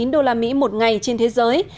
đô la mỹ một ngày trên thế giới